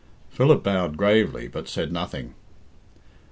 Philip bowed gravely, but said nothing.